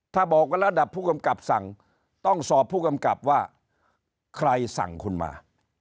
ถ้าบอกว่าระดับผู้กำกับสั่งต้องสอบผู้กำกับว่าใครสั่งคุณมา